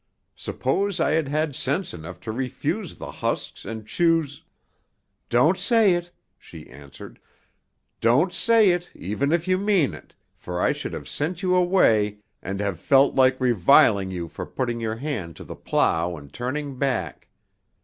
Suppose I had had sense enough to refuse the husks and choose " "Don't say it," she answered. "Don't say it, even if you mean it, for I should have sent you away, and have felt like reviling you for putting your hand to the plow and turning back.